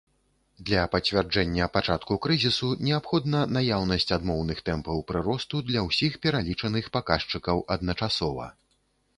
Для пацвярджэння пачатку крызісу неабходна наяўнасць адмоўных тэмпаў прыросту для ўсіх пералічаных паказчыкаў адначасова.